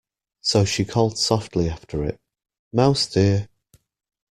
So she called softly after it, ‘Mouse dear!’